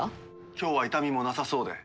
今日は痛みもなさそうで。